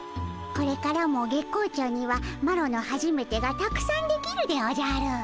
これからも月光町にはマロのはじめてがたくさんできるでおじゃる。